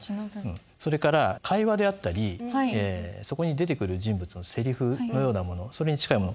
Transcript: それから会話であったりそこに出てくる人物のセリフのようなものそれに近いもの。